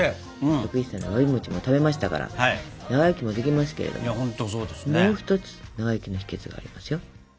１０１歳のわらび餅も食べましたから長生きもできますけれどももう一つ長生きの秘訣がありますよ。